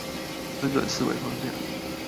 翻轉思維框架